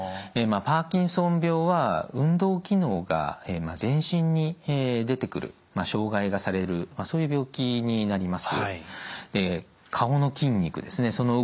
パーキンソン病は運動機能が全身に出てくる障害がされるそういう病気になります。